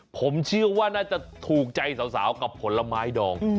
ผมเชื่อว่าน่าจะถูกใจสาวกับผลไม้ดอง